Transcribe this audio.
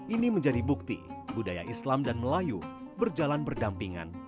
ini menjadi bukti budaya islam dan melayu berjalan berdampingan